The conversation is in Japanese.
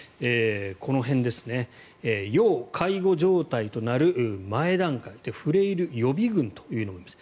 この辺ですね要介護状態となる前段階フレイル予備軍というのもあります。